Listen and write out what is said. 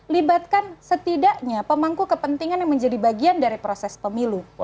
libatkan setidaknya pemangku kepentingan yang menjadi bagian dari proses pemilu